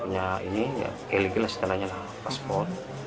yang tidak punya ini ya illegal sekarangnya paspor